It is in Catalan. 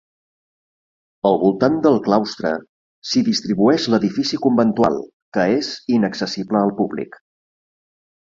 Al voltant del claustre s'hi distribueix l'edifici conventual que és inaccessible al públic.